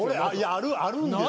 あるあるんですよ。